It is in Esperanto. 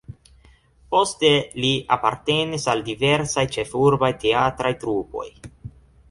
Poste li apartenis al diversaj ĉefurbaj teatraj trupoj.